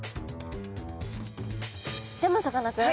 でもさかなクン。